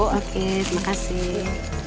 oke terima kasih